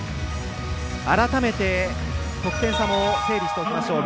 改めて、得点差も整理しておきましょう。